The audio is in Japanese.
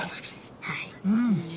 はい。